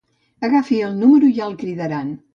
Agafi número i ja la cridaran.